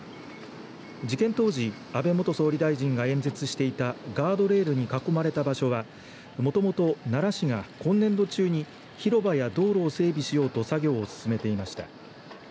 事件当時、安倍元総理大臣が演説していたガードレールに囲まれた場所はもともと奈良市が今年度中に広場や道路を整備しようと作業を進めていました。